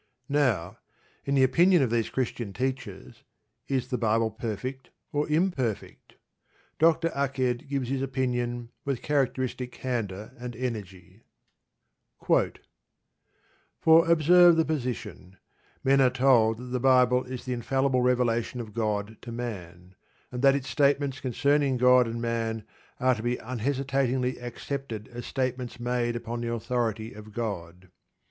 Now, in the opinion of these Christian teachers, is the Bible perfect or imperfect? Dr. Aked gives his opinion with characteristic candour and energy: For observe the position: men are told that the Bible is the infallible revelation of God to man, and that its statements concerning God and man are to be unhesitatingly accepted as statements made upon the authority of God.